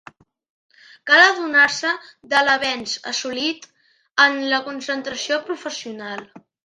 Cal adonar-se de l'avenç assolit en la concentració professional.